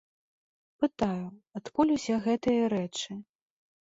Пытаю, адкуль усе гэтыя рэчы.